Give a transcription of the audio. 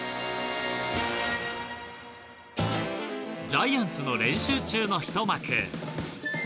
ジャイアンツの練習中のひと幕。